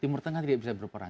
timur tengah tidak bisa berperang